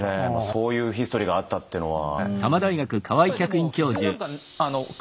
そういうヒストリーがあったってのは。